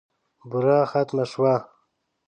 بوره ختمه شوه .